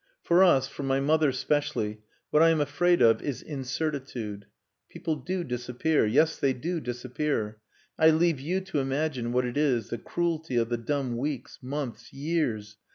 "For us for my mother specially, what I am afraid of is incertitude. People do disappear. Yes, they do disappear. I leave you to imagine what it is the cruelty of the dumb weeks months years!